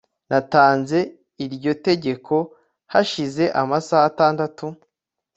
natanze iryo tegeko hashize amasaha atandatu